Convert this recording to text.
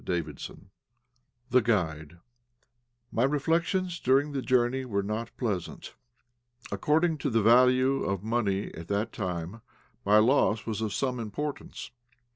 CHAPTER II. THE GUIDE. My reflections during the journey were not very pleasant. According to the value of money at that time, my loss was of some importance.